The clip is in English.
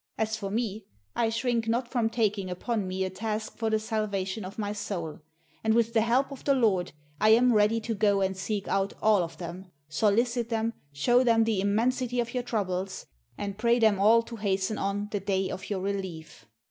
As for me, I shrink 606 GOD WILLETH IT not from taking upon mc a task for the salvation of my soul: and with the help of the Lord I am ready to go and seek out all of them, solicit them, show them the im mensity of your troubles, and pray them all to hasten on the day of your relief.'